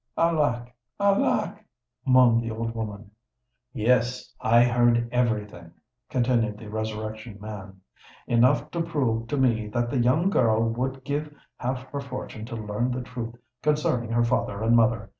"Alack! alack!" moaned the old woman. "Yes—I heard every thing," continued the Resurrection Man;—"enough to prove to me that the young girl would give half her fortune to learn the truth concerning her father and mother.